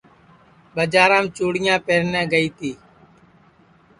بڄارام چُڑیاں پہرنے گائی تی